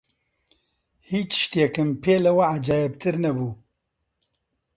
هیچ شتێکم پێ لەوە عەجایبتر نەبوو